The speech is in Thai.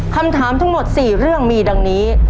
คำถามทั้งหมด๔เรื่องมีดังนี้